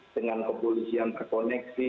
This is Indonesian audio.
dengan opolisian terkoneksi